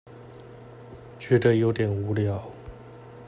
覺得有點無聊